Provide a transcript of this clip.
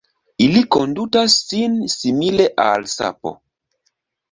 Ili kondutas sin simile al sapo.